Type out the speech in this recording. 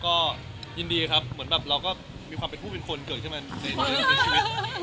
ก็ยินดีครับเหมือนแบบเราก็มีความเป็นผู้เป็นคนเกิดขึ้นมาในชีวิต